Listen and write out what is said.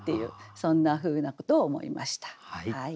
そんなふうなことを思いました。